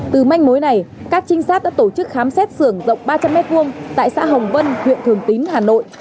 từ manh mối này các trinh sát đã tổ chức khám xét sưởng rộng ba trăm linh m hai tại xã hồng vân huyện thường tín hà nội